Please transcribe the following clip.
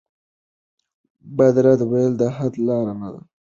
بد رد ویل د حل لاره نه ده.